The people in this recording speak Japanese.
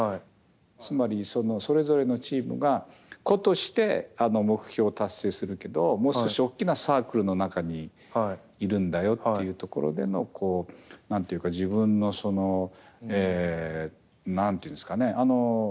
つまりそれぞれのチームが個として目標を達成するけどもう少し大きなサークルの中にいるんだよっていうところでのこう自分のその何て言うんですかね